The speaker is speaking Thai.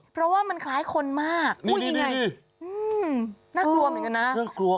เพราะว่ามันคล้ายคนมากอุ้ยนี่ไงน่ากลัวเหมือนกันนะ